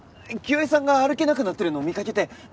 清江さんが歩けなくなってるのを見かけて。